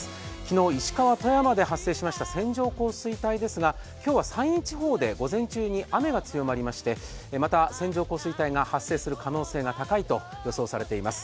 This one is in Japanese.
昨日、石川、富山で発生しました線状降水帯ですが、今日は山陰地方で午前中に雨が強まりましてまた線状降水帯が発生する可能性が高いと予想されています。